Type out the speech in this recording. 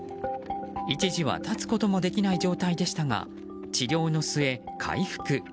一時は立つこともできない状態でしたが治療の末、回復。